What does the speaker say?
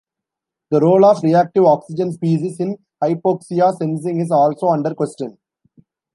The role of reactive oxygen species in hypoxia sensing is also under question.